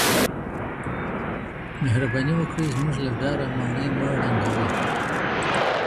مهرباني وکړئ، زموږ له ډاره ماڼۍ مه ړنګوئ.